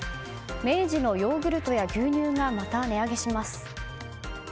明治のヨーグルトや牛乳がまた値上げします。